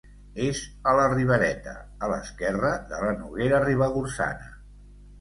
És a la Ribereta, a l'esquerra de la Noguera Ribagorçana.